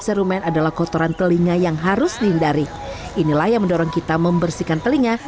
serumen adalah kotoran telinga yang harus dihindari inilah yang mendorong kita membersihkan telinga